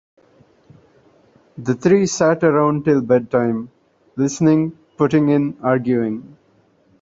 The three sat round till bed-time, listening, putting in, arguing.